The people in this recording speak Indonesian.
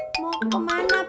sampai jumpa lagi